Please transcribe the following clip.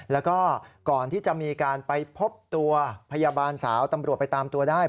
แล้วก็ก่อนที่จะมีการไปพบตัวพยาบาลสาวตำรวจไปตามตัวได้